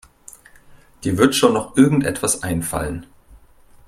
Dir wird schon noch irgendetwas einfallen.